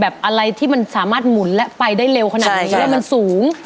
แบบอะไรที่มันสามารถหมุนไปได้เร็วขนาดนี้